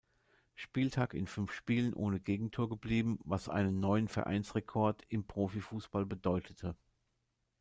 Spieltag in fünf Spielen ohne Gegentor geblieben, was einen neuen Vereinsrekord im Profifußball bedeutete.